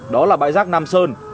đó là bãi rác nam sơn